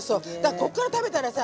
こっから食べたらね。